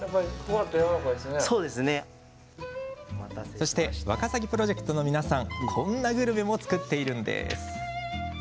そしてワカサギプロジェクトの皆さんこんなグルメも作っているんです。